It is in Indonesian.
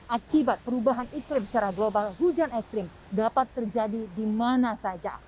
akibat perubahan iklim secara global hujan ekstrim dapat terjadi di mana saja